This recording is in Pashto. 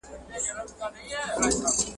د مسکين په لاس کي غلمينه ډوډۍ عيب ده.